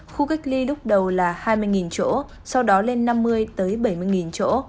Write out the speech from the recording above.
khu cách ly lúc đầu là hai mươi chỗ sau đó lên năm mươi bảy mươi chỗ